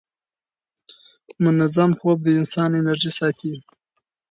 منظم خوب د انسان انرژي ساتي.